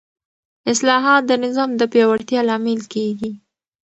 اصلاحات د نظام د پیاوړتیا لامل کېږي